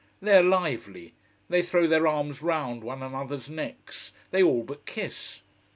They are lively, they throw their arms round one another's necks, they all but kiss.